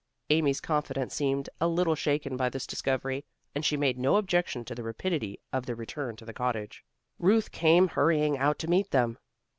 Amy's confidence seemed a little shaken by this discovery and she made no objection to the rapidity of their return to the cottage. Ruth came hurrying out to meet them.